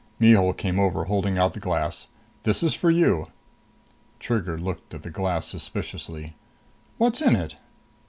Mihul came over, holding out the glass. "This is for you." Trigger looked at the glass suspiciously. "What's in it?"